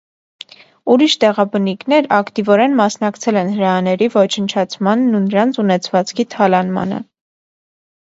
Ուրիշ տեղաբնիկներ ակտիվորեն մասնակցել են հրեաների ոչնչացմանն ու նրանց ունեցվածքի թալանմանը։